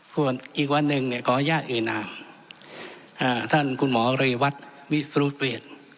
ส่วนอีกวันหนึ่งเนี้ยขออนุญาตอีน้ำอ่าท่านคุณหมอเรวัตรวิสุทธิ์เวทย์